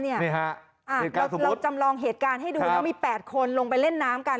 เราจำรองเล่นน้ำให้ดูนะว่ามี๘คนลองไปเล่นน้ำกัน